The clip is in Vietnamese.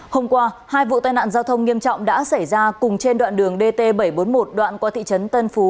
hôm qua hai vụ tai nạn giao thông nghiêm trọng đã xảy ra cùng trên đoạn đường dt bảy trăm bốn mươi một đoạn qua thị trấn tân phú